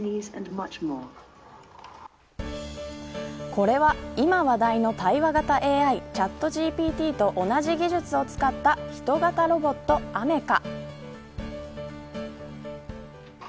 これは、今話題の対話型ＡＩチャットＧＰＴと同じ技術を使った人型ロボット、アメカ。